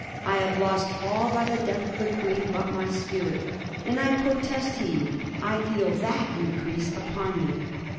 I have lost all by the ^eath of the Queen but my spirit ; and, I protest to you, I fed that increase upon me.